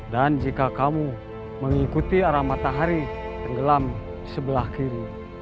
dan jika kau mengikuti arah matahari yang tenggelam di sebelah kiri